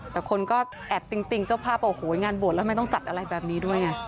แต่คนก็แอบติ้งเจ้าภาพโอ้โหงานบวชแล้วทำไมต้องจัดอะไรแบบนี้ด้วยไง